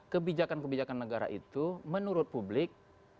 kebijakan kebijakan negara itu menurut publik